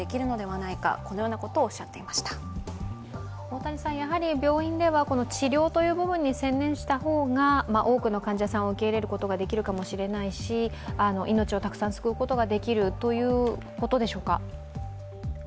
大谷さん、病院では治療という部分に専念した方が多くの患者さんを受け入れることができるかもしれないし命をたくさん救うことができるということでしょうか。